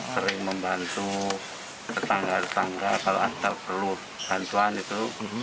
sering membantu tetangga tetangga kalau anda perlu bantuan itu